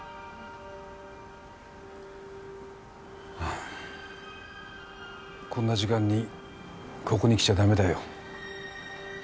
ああこんな時間にここに来ちゃダメだよ